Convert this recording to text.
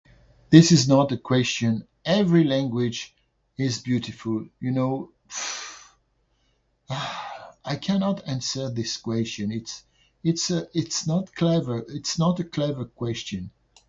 This is not a question. Every language is beautiful you know. I can not answer this question. It's it's a it's not clever it's not a clever question.